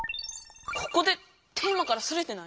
ここでテーマからそれてない？